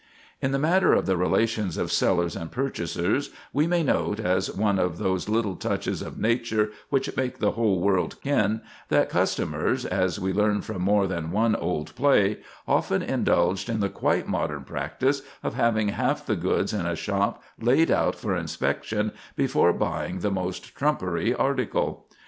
In the matter of the relations of sellers and purchasers, we may note, as one of those little touches of nature which make the whole world kin, that customers, as we learn from more than one old play, often indulged in the quite modern practice of having half the goods in a shop laid out for inspection before buying the most trumpery article.